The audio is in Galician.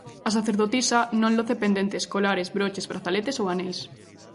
A sacerdotisa non loce pendentes, colares, broches, brazaletes ou aneis.